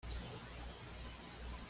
Se sintetiza en la corteza del alerce.